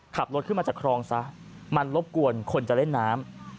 ขับรถขึ้นมาจากครองซะมันรบกวนคนจะเล่นน้ำ